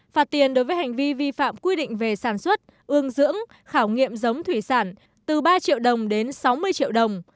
phạt tiền đối với hành vi vi phạm quy định về sản xuất ương dưỡng khảo nghiệm giống thủy sản từ ba triệu đồng đến sáu mươi triệu đồng